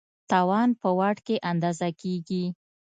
توان په واټ کې اندازه کېږي.